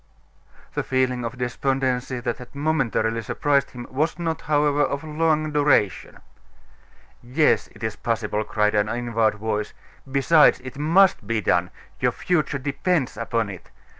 The feeling of despondency that had momentarily surprised him was not, however, of long duration. "Yes, it is possible," cried an inward voice. "Besides, it must be done; your future depends upon it.